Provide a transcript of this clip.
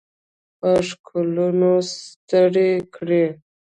په ښکلونو ستړي کړي